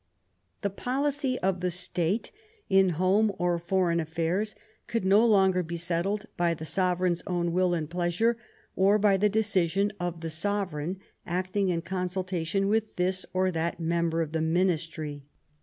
The policy of the state in home or foreign affairs could no longer be settled by the sovereign's own will and pleasure or by the decision of the sovereign acting in consultation with this or that member of the ministry.